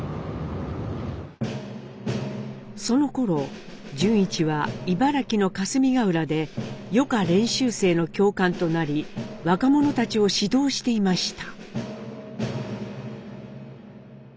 そのころ潤一は茨城の霞ヶ浦で予科練習生の教官となり若者たちを指導していました。